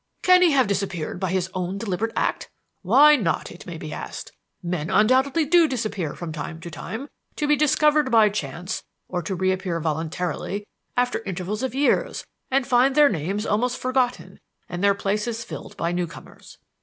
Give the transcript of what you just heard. "Can he have disappeared by his own deliberate act? Why not? it may be asked. Men undoubtedly do disappear from time to time, to be discovered by chance or to reappear voluntarily after intervals of years and find their names almost forgotten and their places filled by new comers.